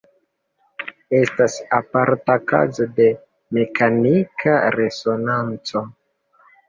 Estas aparta kazo de mekanika resonanco.